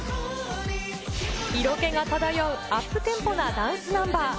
色気が漂うアップテンポなダンスナンバー。